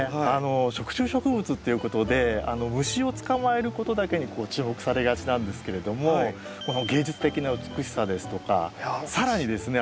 食虫植物っていうことで虫を捕まえることだけに注目されがちなんですけれどもこの芸術的な美しさですとか更にですね